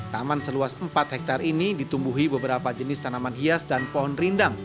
taman seluas empat hektare ini ditumbuhi beberapa jenis tanaman hias dan pohon rindang